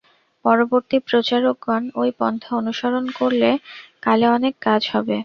পরবর্তী প্রচারকগণ ঐ পন্থা অনুসরণ করলে কালে অনেক কাজ হবে।